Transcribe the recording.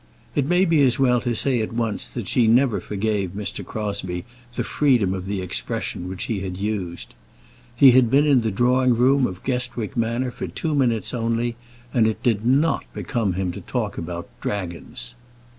It may be as well to say at once that she never forgave Mr. Crosbie the freedom of the expression which he had used. He had been in the drawing room of Guestwick Manor for two minutes only, and it did not become him to talk about dragons.